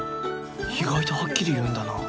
意外とはっきり言うんだな